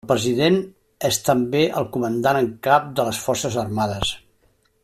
El president és també el Comandant en Cap de les forces armades.